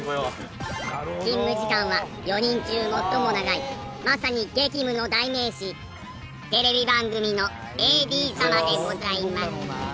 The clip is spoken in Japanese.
勤務時間は４人中最も長いまさに激務の代名詞テレビ番組のＡＤ様でございます。